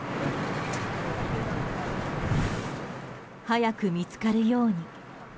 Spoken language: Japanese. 早く見つかるように。